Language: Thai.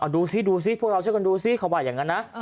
ดูซิดูซิพวกเราแช่งดูซิเขาบ่ายยังงั้นนะ